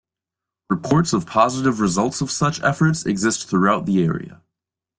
Reports of positive results of such efforts exist throughout the area.